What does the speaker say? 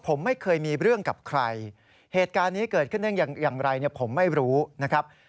ผมไม่เคยมีเรื่องกับใครเหตุการณ์นี้เกิดขึ้นได้อย่างไรเนี่ยผมไม่รู้นะครับ